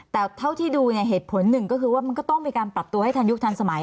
แต่เท่าที่ดูเนี่ยเหตุผลหนึ่งก็คือว่ามันก็ต้องมีการปรับตัวให้ทันยุคทันสมัย